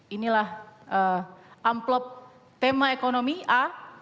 inilah amplop tema ekonomi a